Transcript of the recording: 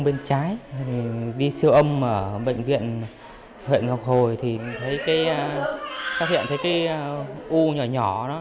bên trái đi siêu âm ở bệnh viện huyện ngọc hồi thì thấy cái u nhỏ nhỏ đó